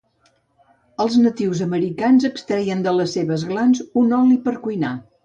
Els natius americans extreien de les seves glans un oli per cuinar.